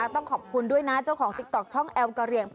อ๋อต้องขอบคุณด้วยนะเจ้าของอัลกาเรียง